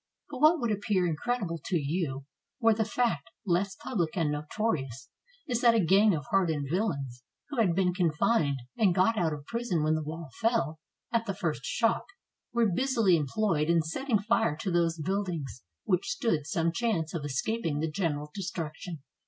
But what would appear incredible to you, were the fact less public and notorious, is that a gang of hard ened villains, who had been confined and got out of prison when the wall fell, at the first shock, were busily employed in setting fire to those buildings which stood some chance of escaping the general destruction.